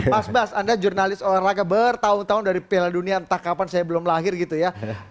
mas bas anda jurnalis olahraga bertahun tahun dari piala dunia entah kapan saya belum lahir gitu ya